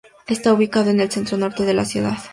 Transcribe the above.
Está ubicado en el centro-norte de la ciudad.